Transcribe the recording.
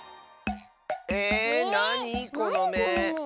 ええっなにこのめ？